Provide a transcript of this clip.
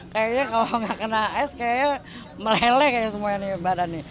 kayaknya kalau nggak kena es kayaknya meleleh kayaknya semuanya nih badannya